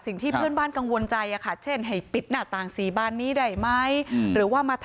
สิ่งที่เพื่อนบ้านกังวลใจอ่ะค่ะเช่นให้ปิดหน้าต่างสี่บานนี้ได้ไหม